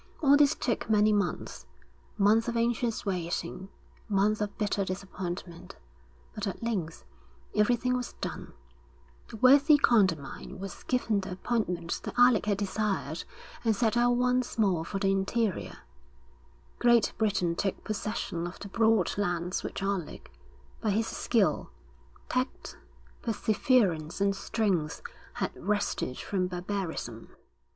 All this took many months, months of anxious waiting, months of bitter disappointment; but at length everything was done: the worthy Condamine was given the appointment that Alec had desired and set out once more for the interior; Great Britain took possession of the broad lands which Alec, by his skill, tact, perseverance and strength, had wrested from barbarism.